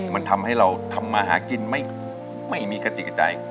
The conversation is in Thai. มันทำให้เราทำมาหากินไม่มีกระจิกใจ